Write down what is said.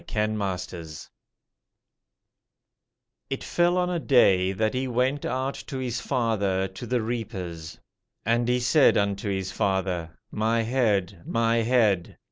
The Oldest Drama _"It fell on a day, that he went out to his father to the reapers. And he said unto his father, My head, my head.